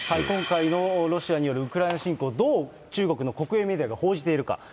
今回のロシアによるウクライナ侵攻、どう中国の国営メディアが報じているか。